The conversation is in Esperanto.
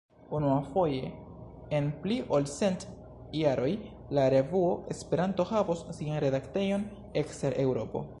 Unuafoje en pli ol cent jaroj, la revuo Esperanto havos sian redaktejon ekster Eŭropo.